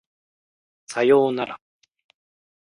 左様なら